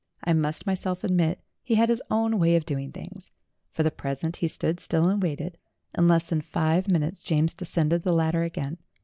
I must myself admit he had his own way of doing things. For the present he stood still and waited. In less than five minutes James descended the ladder again.